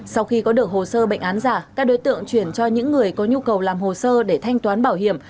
sau khi có được hồ sơ bệnh án giả các đối tượng chuyển cho những người có nhu cầu làm hồ sơ để thanh toán bảo hiểm